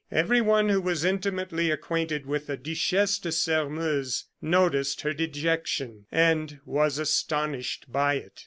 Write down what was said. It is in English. Everyone who was intimately acquainted with the Duchesse de Sairmeuse, noticed her dejection, and was astonished by it.